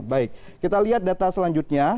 baik kita lihat data selanjutnya